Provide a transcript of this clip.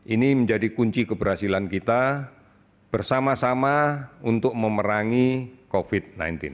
ini menjadi kunci keberhasilan kita bersama sama untuk memerangi covid sembilan belas